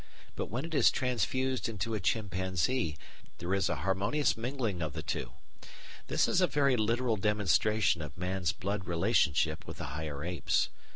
But when it is transfused into a chimpanzee there is an harmonious mingling of the two. This is a very literal demonstration of man's blood relationship with the higher apes.